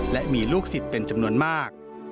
และมีลูกศิษย์เป็นจำนวนมาก